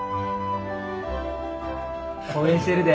応援してるで。